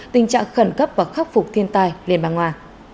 tình trạng khẩn cấp và khắc phục thiên tài liên bang nga